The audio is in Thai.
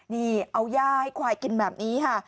นี่เอาย่าให้ควายกินแบบนี้ค่ะ